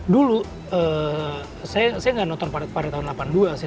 dulu saya gak nonton pada tahun delapan puluh dua sih